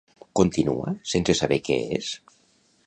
Continua sense saber què és?